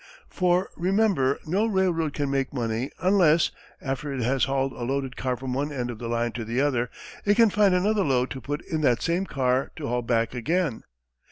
For remember no railroad can make money unless, after it has hauled a loaded car from one end of the line to the other, it can find another load to put in that same car to haul back again.